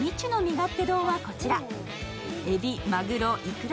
勝手丼はこちら。